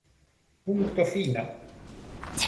Punkto fino!